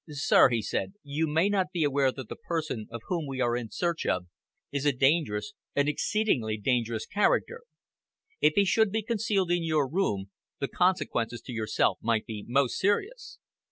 "Sir," he said, "you may not be aware that the person of whom we are in search is a dangerous, an exceedingly dangerous character. If he should be concealed in your room the consequences to yourself might be most serious."